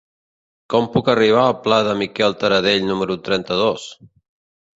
Com puc arribar al pla de Miquel Tarradell número trenta-dos?